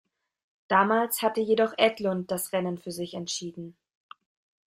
Damals hatte jedoch Edlund das Rennen für sich entschieden.